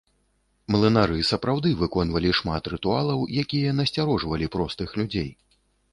Млынары сапраўды выконвалі шмат рытуалаў, якія насцярожвалі простых людзей.